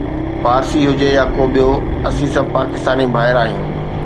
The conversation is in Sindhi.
پارسي هجي يا ڪو ٻيو، اسين سڀ پاڪستاني ڀائر آهيون